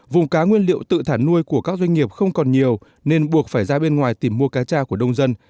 vùng cá nguyên liệu tự thả nuôi của các doanh nghiệp không còn nhiều nên buộc phải ra bên ngoài tìm mua cá cha của nông dân